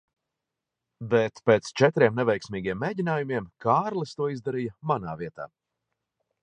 Bet pēc četriem neveiksmīgiem mēģinājumiem, Kārlis to izdarīja manā vietā.